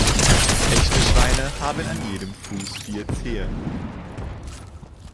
Echte Schweine haben an jedem Fuß vier Zehen.